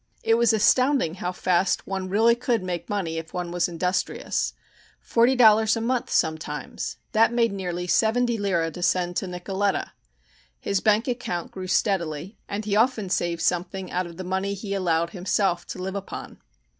It was astounding how fast one really could make money if one was industrious. Forty dollars a month, sometimes! That made nearly seventy lire to send to Nicoletta. His bank account grew steadily, and he often saved something out of the money he allowed himself to live upon.